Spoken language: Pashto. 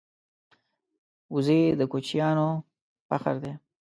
وزې د کوچیانو فخر دی